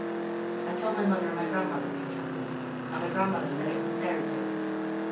I told my mother and my grandmother what had happened, and my grandmother said it was a Fairy Pig.